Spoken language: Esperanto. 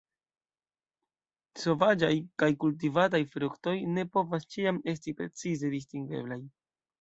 Sovaĝaj kaj kultivataj fruktoj ne povas ĉiam esti precize distingeblaj.